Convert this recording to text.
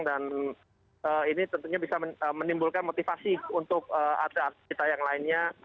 dan ini tentunya bisa menimbulkan motivasi untuk atlet kita yang lainnya